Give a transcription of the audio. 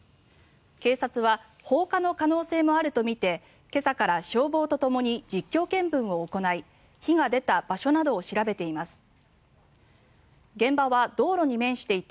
警察は放火の可能性もあるとみて今朝から消防とともに実況見分を行い火が出た場所などを調べています。